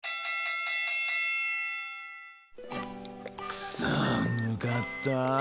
くそ抜かったぁ。